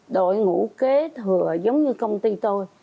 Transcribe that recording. đội ngũ kế thừa giống như công ty tôi